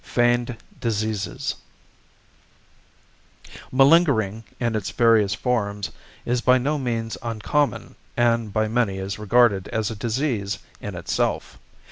FEIGNED DISEASES Malingering in its various forms is by no means uncommon, and by many is regarded as a disease in itself.